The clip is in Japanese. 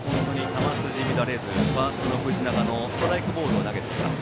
球筋乱れずファーストの藤中のストライクボールを投げています。